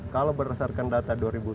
kalau berdasarkan data dua ribu tujuh belas